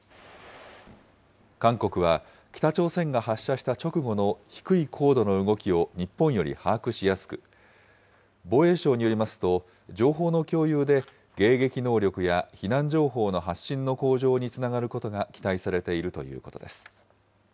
韓国は、北朝鮮が発射した直後の低い高度の動きを日本より把握しやすく、防衛省によりますと、情報の共有で迎撃能力や避難情報の発信の向上につながることが期待されているということです。